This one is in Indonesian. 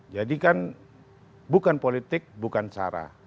jadi kan bukan politik bukan sarah